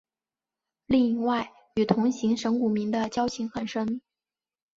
另外与同行神谷明的交情很深。